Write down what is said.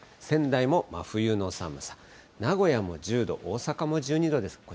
仙台も真冬の寒さ、名古屋も１０度、大阪も１２度です。